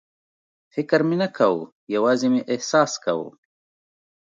فکر مې نه کاوه، یوازې مې احساس کاوه.